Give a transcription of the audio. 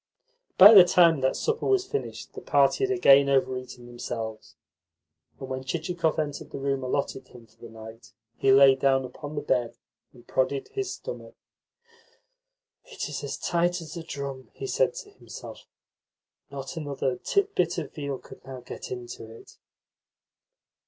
By the time that supper was finished the party had again over eaten themselves, and when Chichikov entered the room allotted him for the night, he lay down upon the bed, and prodded his stomach. "It is as tight as a drum," he said to himself. "Not another titbit of veal could now get into it."